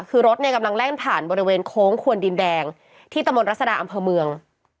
คือรถเนี่ยกำลังแล่นผ่านบริเวณโค้งควนดินแดงที่ตะมนตรัศดาอำเภอเมือง